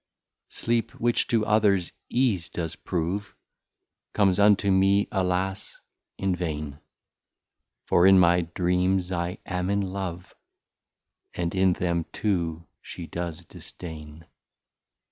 Sleep, which to others Ease does prove, Comes unto me, alas, in vain: For in my Dreams I am in Love, And in them too she does Disdain.